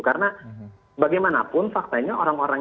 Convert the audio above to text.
karena bagaimanapun faktanya orang orang